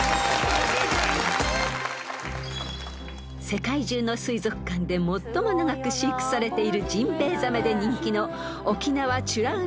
［世界中の水族館で最も長く飼育されているジンベエザメで人気の］